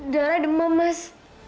dara demam mas